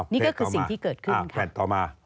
นี่ก็คือสิ่งที่เกิดขึ้นค่ะ